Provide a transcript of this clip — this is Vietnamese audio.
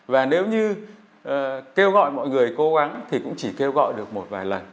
và nếu như kêu gọi mọi người cố gắng thì cũng chỉ kêu gọi được một vài lần